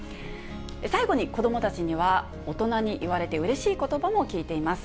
最後に、子どもたちには大人に言われてうれしいことばも聞いています。